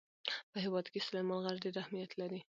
په هېواد کې سلیمان غر ډېر اهمیت لري.